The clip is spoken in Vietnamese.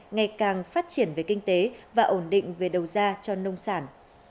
ngày càng phát triển về kinh tế và ổn định về đầu ra cho nông sản